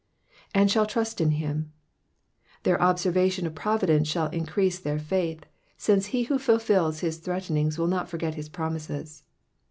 ''''And shall trust in hinu''^ Their observation of providence shall increase their faith ; since he who fulfils his threatenings will not forget his promises.